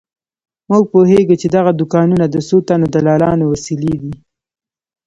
موږ پوهېږو چې دغه دوکانونه د څو تنو دلالانو وسیلې دي.